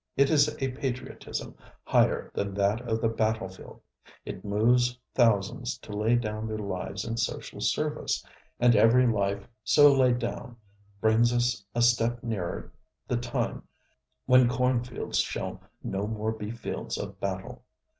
It is a patriotism higher than that of the battle field. It moves thousands to lay down their lives in social service, and every life so laid down brings us a step nearer the time when corn fields shall no more be fields of battle.